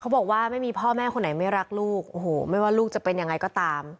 บอกว่าไม่มีพ่อแม่คนไหนไม่รักลูกโอ้โหไม่ว่าลูกจะเป็นยังไงก็ตาม